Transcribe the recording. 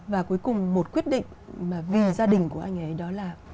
và cuối cùng một quyết định mà vì gia đình của anh ấy đó là